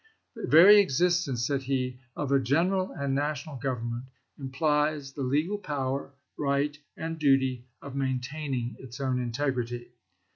" The very existence," said he, " of a general and national government implies the legal power, right, and duty of maintaining its own integrity.